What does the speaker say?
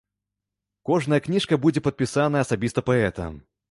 Кожная кніжка будзе падпісаная асабіста паэтам.